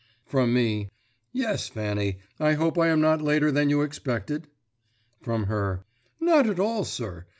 From me: "Yes, Fanny; I hope I am not later than you expected?" From her: "Not at all, sir.